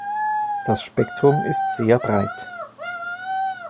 Das Spektrum ist sehr breit.